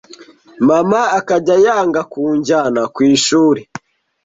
mama akajya yanga kunjyana ku ishuri